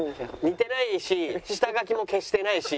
似てないし下書きも消してないし。